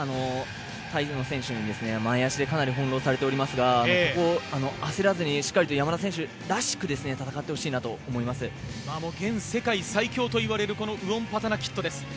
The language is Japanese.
タイの選手に前足でかなり翻ろうされておりますが焦らずにしっかりと山田選手らしく現世界最強と言われるこのウオンパタナキットです。